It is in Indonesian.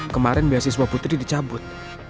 kemarin beasiswa putri dicabut